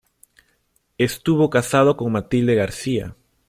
Estuvo casado con Matilde García.